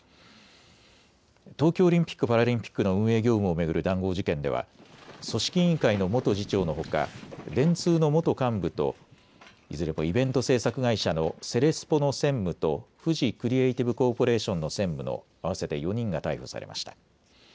東京オリンピック・パラリンピックの運営業務を巡る談合事件では組織委員会の元次長のほか電通の元幹部といずれもイベント制作会社のセレスポの専務とフジクリエイティブコーポレーションの専務の合わせて４人が逮捕されました。